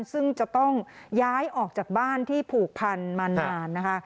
ซึ่งจะต้องย้ายออกจากบ้านที่ผูกพันมานานนะคะ